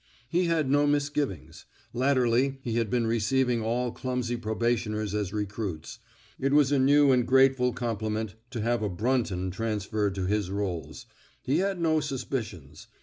He had no misgivings. Latterly he had been receiving all clumsy probationers as recruits; it was a new and grateful compli ment to have a Brunton transferred to his rolls. He had no suspicions.